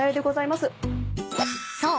［そう。